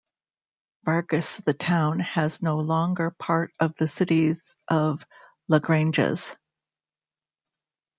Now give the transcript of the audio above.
Vargas the town has no longer part of the city of Lagrange's.